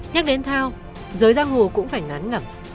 nhắc đến thao giới giang hồ cũng phải ngán ngẩm